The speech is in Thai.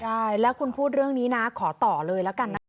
ใช่แล้วคุณพูดเรื่องนี้นะขอต่อเลยแล้วกันนะคะ